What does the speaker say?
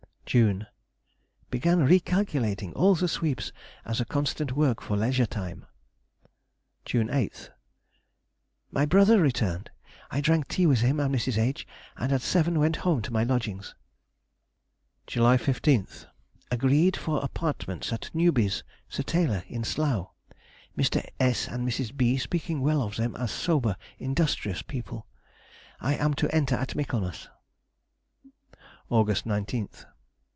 June.—Began re calculating all the sweeps as a constant work for leisure time. June 8th.—My brother returned. I drank tea with him and Mrs. H., and at seven went home to my lodgings. July 15th.—Agreed for apartments at Newby's, the tailor, in Slough (Mr. S. and Mrs. B. speaking well of them as sober, industrious people), I am to enter at Michaelmas. _August 19th.